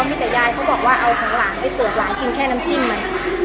มีแต่ยายเขาบอกว่าเอาของหลานไปเปิดหลานกินแค่น้ำจิ้มไหม